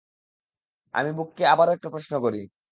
আমি ব্যুককে আবারও একটা প্রশ্ন করি।